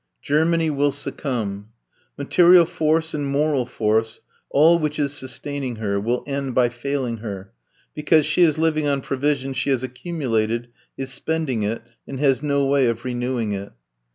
Germany will succumb. Material force and moral force, all which is sustaining her, will end by failing her, because she is living on provision she has accumulated, is spending it, and has no way of renewing it.